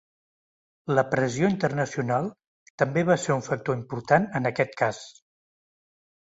La pressió internacional també va ser un factor important en aquest cas.